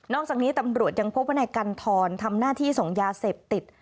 จากนี้ตำรวจยังพบว่านายกันทรทำหน้าที่ส่งยาเสพติด